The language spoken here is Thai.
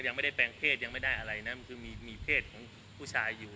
ยังไม่ได้แปลงเพศยังไม่ได้อะไรนะมันคือมีเพศของผู้ชายอยู่